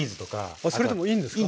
あそれでもいいんですか？